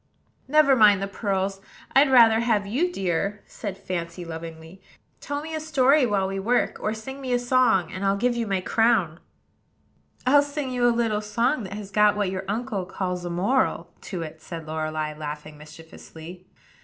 "Never mind the pearls: I'd rather have you, dear," said Fancy lovingly. "Tell me a story while we work, or sing me a song; and I'll give you my crown." "I'll sing you a little song that has got what your uncle calls a moral to it," said Lorelei, laughing mischievously.